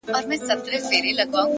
o ها د فلسفې خاوند ها شتمن شاعر وايي ـ